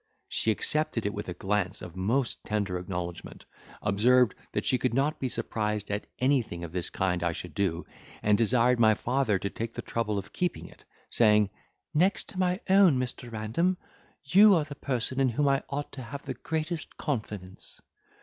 She accepted it with a glance of most tender acknowledgment, observed, that she could not be surprised at anything of this kind I should do, and desired my father to take the trouble of keeping it, saying, "Next to my own Mr. Random, you are the person in whom I ought to have the greatest confidence."